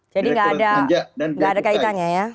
jadi gak ada kaitannya ya